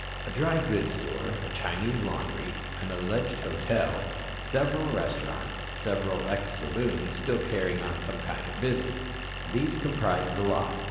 A dry goods store, a Chinese laundry, an alleged hotel, several restaurants, several ex saloons still carrying on some kind of business these comprised the lot.